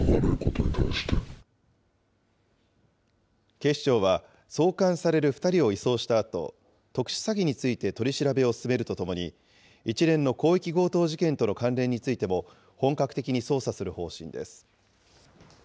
警視庁は、送還される２人を移送したあと、特殊詐欺について取り調べを進めるとともに、一連の広域強盗事件との関連についても、本格的に捜査する方針です。